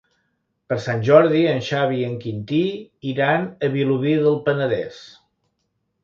Per Sant Jordi en Xavi i en Quintí iran a Vilobí del Penedès.